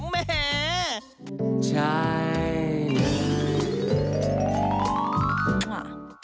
แม่แห่ใช่นะ